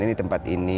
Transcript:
ini tempat ini